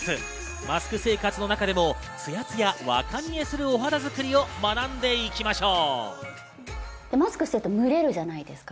マスク生活の中でもツヤツヤ、若見えするお肌作りを学んでいきましょう。